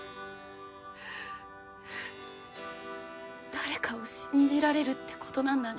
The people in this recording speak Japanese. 誰かを信じられるってことなんだね。